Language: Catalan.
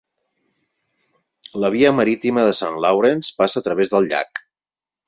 La via marítima de St. Lawrence passa a través del llac.